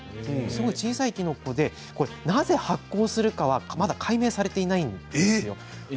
小さいきのこでなぜ発光するのかまだ解明されていないんですよ。